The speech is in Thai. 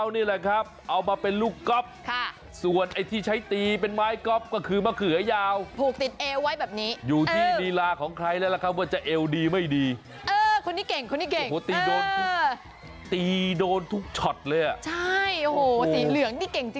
ตีโดนทุกช็อตเลยอ่ะใช่โหสีเหลืองที่เก่งจริง